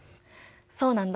そうなんだ。